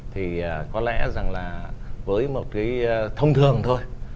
thì có lẽ rằng là với một cái thông thường thôi